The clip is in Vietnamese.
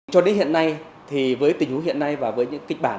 cho đến hiện nay thì với tình huống hiện nay và với những kịch bản